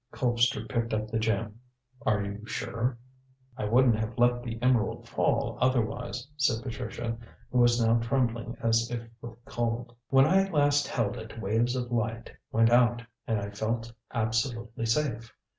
Colpster picked up the gem. "Are you sure?" "I wouldn't have let the emerald fall otherwise," said Patricia, who was now trembling as if with cold. "When I last held it waves of light went out, and I felt absolutely safe.